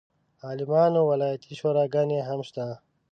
عالمانو ولایتي شوراګانې هم شته.